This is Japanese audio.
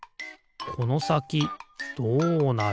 このさきどうなる？